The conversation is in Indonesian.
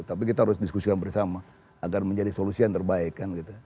tapi kita harus diskusikan bersama agar menjadi solusi yang terbaik kan gitu